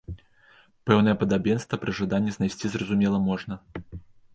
Пэўнае падабенства пры жаданні знайсці, зразумела, можна.